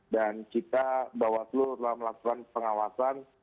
dan kita bawaslu telah melakukan pengawasan